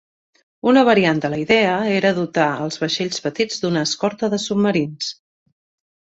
Una variant de la idea era dotar als vaixells petits d'una escorta de submarins.